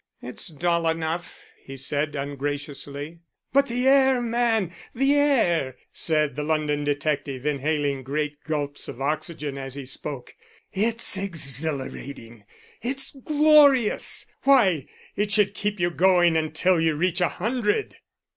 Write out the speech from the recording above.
"It's dull enough," he said ungraciously. "But the air, man, the air!" said the London detective, inhaling great gulps of oxygen as he spoke. "It's exhilarating; it's glorious! Why, it should keep you going until you reach a hundred."